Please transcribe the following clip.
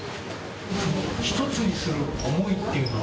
一つにする想いっていうのは。